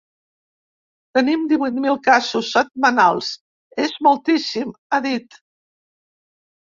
“Tenim divuit mil casos, setmanals: és moltíssim”, ha dit.